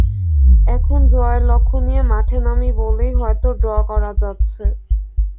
এখন জয়ের লক্ষ্য নিয়ে মাঠে নামি বলেই হয়তো ড্র করা যাচ্ছে।